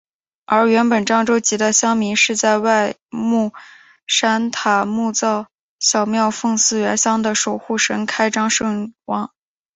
而原本漳州籍的乡民是在外木山搭木造小庙奉祀原乡的守护神开漳圣王。